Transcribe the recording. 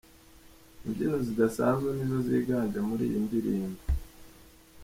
Imbyino zidasanzwe nizo ziganje muri iyi ndirimbo.